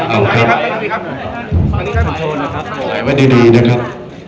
หายไว้ดีนะครับ